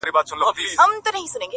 مشر زوى ته يې په ژوند كي تاج پر سر كړ.!